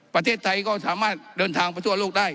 ประเทศไทยก็สามารถเดินทางไปทั่วโลกได้